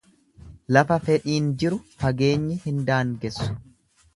Lafa fedhiin jiru fageenyi hin daangessu.